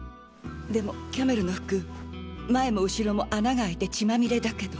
でもキャメルの服前も後ろも穴があいて血まみれだけど。